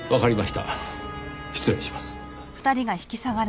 失礼します。